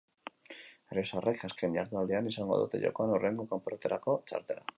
Errioxarrek azken jardunaldian izango dute jokoan hurrengo kanporaketarako txartela.